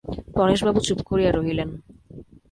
পরেশবাবু চুপ করিয়া রহিলেন।